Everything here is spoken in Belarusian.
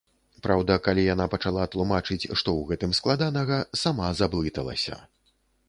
Праўда, калі яна пачала тлумачыць, што ў гэтым складанага, сама заблыталася.